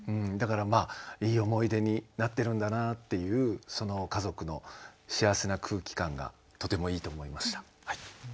だからいい思い出になってるんだなっていうその家族の幸せな空気感がとてもいいと思いました。